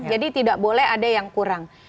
jadi tidak boleh ada yang kurang